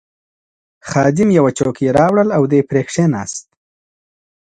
خادم یوه چوکۍ راوړل او دی پرې کښېناست.